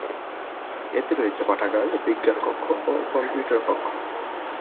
এতে রয়েছে পাঠাগার, বিজ্ঞান কক্ষ ও কম্পিউটার কক্ষ।